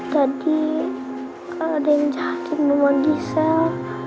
tadi ada yang jahatin rumah diesel